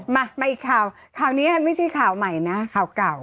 มามาอีกข่าวข่าวนี้ไม่ใช่ข่าวใหม่นะข่าวเก่า